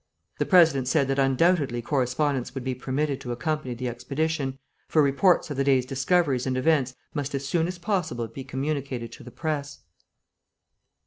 The President said that undoubtedly correspondents would be permitted to accompany the expedition, for reports of the day's discoveries and events must as soon as possible be communicated to the press.